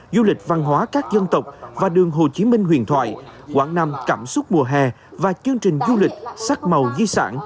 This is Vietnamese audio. du lịch văn hóa các dân tộc và đường hồ chí minh huyền thoại quảng nam cảm xúc mùa hè và chương trình du lịch sắc màu di sản